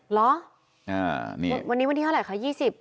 เหรอวันนี้วันที่เท่าไหร่คะ๒๐